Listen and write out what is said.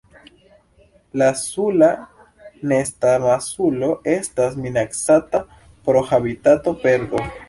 La Sula nestamasulo estas minacata pro habitatoperdo.